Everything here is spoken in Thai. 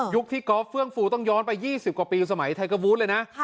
ที่กอล์ฟเฟื่องฟูต้องย้อนไป๒๐กว่าปีสมัยไทเกอร์วูดเลยนะ